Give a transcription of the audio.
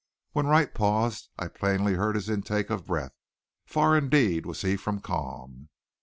When Wright paused I plainly heard his intake of breath. Far indeed was he from calm.